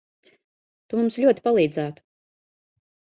Tu mums ļoti palīdzētu.